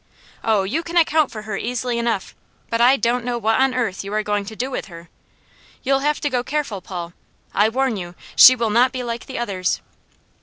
Oh, you can account for her easily enough, but I don't know what on earth you are going to do with her. You'll have to go careful, Paul. I warn you she will not be like the others."